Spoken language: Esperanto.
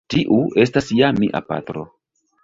Tiu estas ja mia patro.